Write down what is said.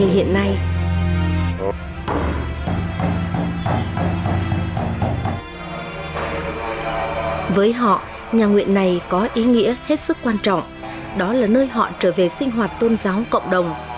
hiện này có ý nghĩa hết sức quan trọng đó là nơi họ trở về sinh hoạt tôn giáo cộng đồng